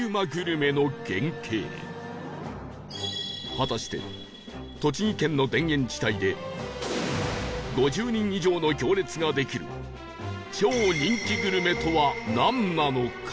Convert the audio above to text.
果たして栃木県の田園地帯で５０人以上の行列ができる超人気グルメとはなんなのか？